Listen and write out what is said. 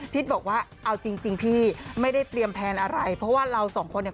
บอกว่าเอาจริงพี่ไม่ได้เตรียมแผนอะไรเพราะว่าเราสองคนเนี่ย